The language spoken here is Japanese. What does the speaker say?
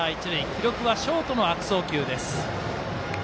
記録はショートの悪送球です。